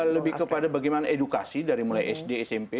lebih kepada bagaimana edukasi dari mulai sd smp